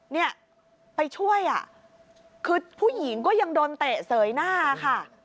เนี่ยไปช่วยอ่ะคือผู้หญิงก็ยังโดนเตะเสยหน้าค่ะ